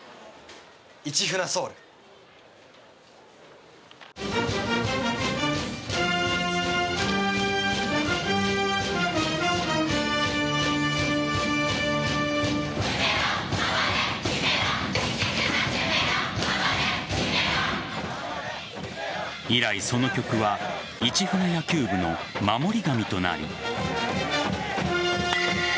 「市船ｓｏｕｌ」以来、その曲は市船野球部の守り神となり。